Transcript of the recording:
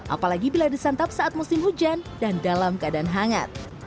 apalagi bila disantap saat musim hujan dan dalam keadaan hangat